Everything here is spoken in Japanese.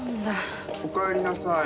おかえりなさい。